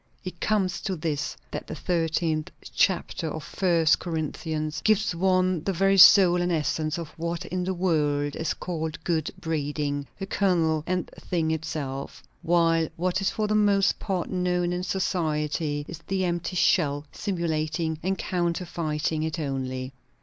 It comes to this; that the thirteenth chapter of First Corinthians gives one the very soul and essence of what in the world is called good breeding; the kernel and thing itself; while what is for the most part known in society is the empty shell, simulating and counterfeiting it only.